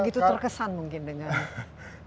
begitu terkesan mungkin dengan